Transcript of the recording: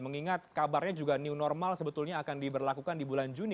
mengingat kabarnya juga new normal sebetulnya akan diberlakukan di bulan juni